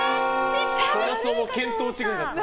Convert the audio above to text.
そもそも見当違いだった。